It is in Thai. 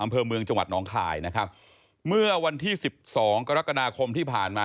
อำเภอเมืองจังหวัดหนองคายนะครับเมื่อวันที่สิบสองกรกฎาคมที่ผ่านมา